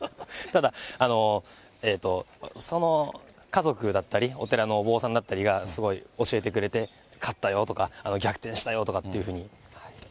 ただ、家族だったり、お寺のお坊さんだったりが、すごい教えてくれて、勝ったよとか、逆転したよとかってふうに。